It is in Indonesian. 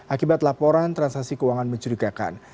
akibat laporan transaksi keuangan mencurigakan